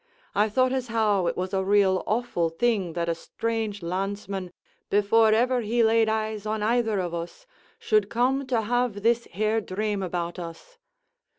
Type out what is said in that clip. I thought as how it was a real awful thing that a strange landsman, before ever he laid eyes on either of us, should come to have this here dream about us.